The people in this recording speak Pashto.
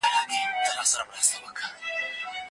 علم د انسان په ژوند کي پرمختګ راولي او هغه مخته بيايي.